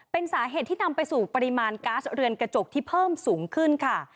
เป็นสาเหตุที่นำไปสู่ปริมาณก๊าซเรือนกระจกที่เพิ่มสูงขึ้นค่ะ